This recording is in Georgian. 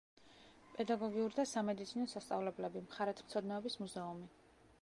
პედაგოგიური და სამედიცინო სასწავლებლები, მხარეთმცოდნეობის მუზეუმი.